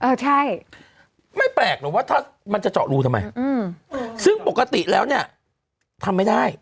เออใช่ไม่แปลกหรอกว่าถ้ามันจะเจาะรูทำไมอืมซึ่งปกติแล้วเนี่ยทำไม่ได้